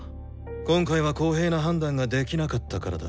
今回は公平な判断ができなかったからだ。